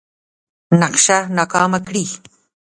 نقشه ناکامه کړي.